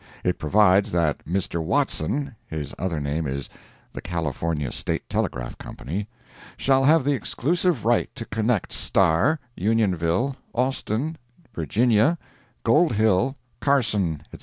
It provides that Mr. Watson (his other name is the California State Telegraph Company) shall have the exclusive right to connect Star, Unionville, Austin, Virginia, Gold Hill, Carson, etc.